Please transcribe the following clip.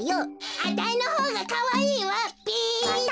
あたいのほうがかわいいわべだ！